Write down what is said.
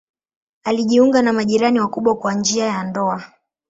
Alijiunga na majirani wakubwa kwa njia ya ndoa.